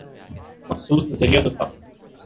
مخصوص نظریہ تو تھا۔